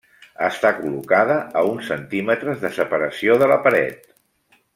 Està col·locada a uns centímetres de separació de la paret.